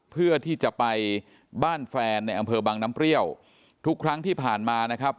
เพื่อที่จะไปบ้านแฟนในอำเภอบังน้ำเปรี้ยวทุกครั้งที่ผ่านมานะครับ